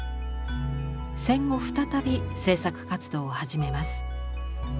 戦後再び制作活動を始めます。